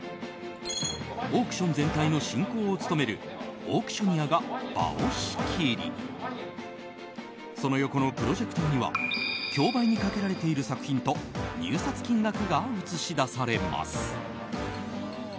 オークション全体の進行を務めるオークショニアが場を仕切りその横のプロジェクターには競売にかけられている作品と入札金額が映し出されます。